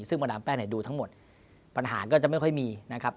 ซึ่งก็ได้ในดูทั้งหมดปัญหาจะไม่ค่อยมีนะครับ